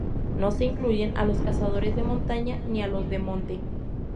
No se incluyen a los cazadores de montaña, ni a los de monte.